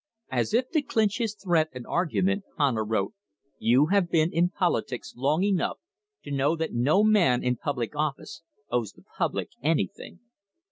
As if to clinch his threat and argument, Hanna wrote: "You have been in poli tics long enough to know that no man in public office owes the public anything."